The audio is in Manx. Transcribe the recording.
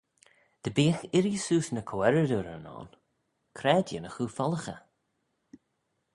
Dy beagh irree-seose ny co-earrooderyn ayn, c'raad yinnagh oo follaghey?